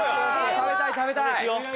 食べたい食べたい！